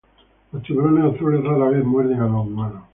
Los tiburones azules rara vez muerden a los humanos.